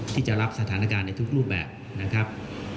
ที่จะรับสถานการณ์ในทุกรูปแบบนะครับ